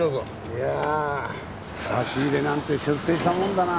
いやあ差し入れなんて出世したもんだな。